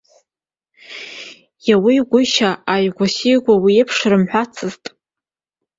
Иауауеи-гәышьа, ааигә-сигәа уи аиԥш рымҳәацызт!